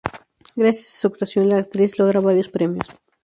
Gracias a su actuación, la actriz, logra varios premios.